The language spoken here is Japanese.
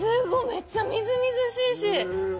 めっちゃみずみずしいし。